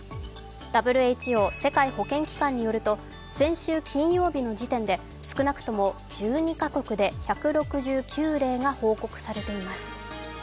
ＷＨＯ＝世界保健機関によると先週金曜日の時点で少なくとも１２カ国で１６９例が報告されています。